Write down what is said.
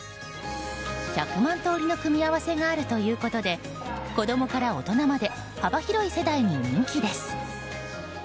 １００万通りの組み合わせがあるということで子供から大人まで幅広い世代に人気です。